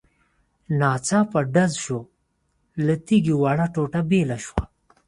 . ناڅاپه ډز شو، له تيږې وړه ټوټه بېله شوه.